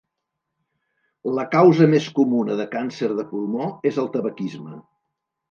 La causa més comuna de càncer de pulmó és el tabaquisme.